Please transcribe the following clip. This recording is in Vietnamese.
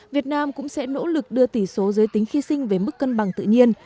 việt nam cũng sẽ nỗ lực đưa tỷ số giới tính khi sinh về mức cân bằng tự nhiên